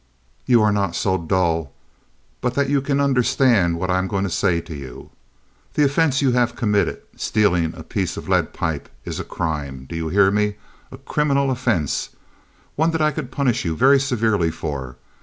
"You are not so dull but that you can understand what I am going to say to you. The offense you have committed—stealing a piece of lead pipe—is a crime. Do you hear me? A criminal offense—one that I could punish you very severely for.